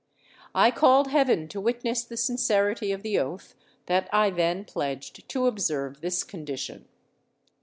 I called heaven to witness the sincerity of the oath that I then pledged to observe this condition.